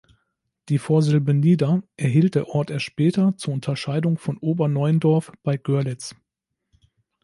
Die Vorsilbe "Nieder-" erhielt der Ort erst später zur Unterscheidung von Ober-Neundorf bei Görlitz.